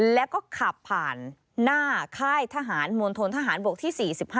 แล้วก็ขับผ่านหน้าค่ายทหารมณฑนทหารบกที่๔๕